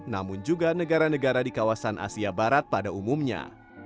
namun juga negara negara di kawasan asia barat pada umumnya